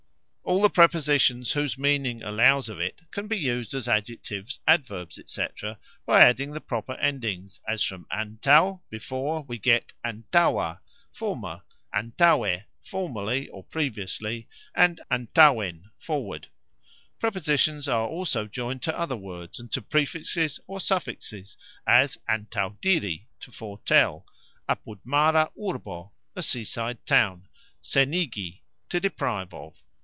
All the prepositions whose meaning allows of it can be used as adjectives, adverbs, etc., by adding the proper endings, as from "antaux", before, we get "antauxa", former, "antauxe", formerly or previously, "antauxen", forward. Prepositions are also joined to other words, and to prefixes or suffixes, as "antauxdiri", to foretell; "apudmara urbo", a seaside town; "senigi", to deprive of.